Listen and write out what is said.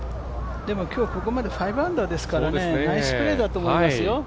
でも今日ここまで５アンダーですからねナイスプレーだと思いますよ。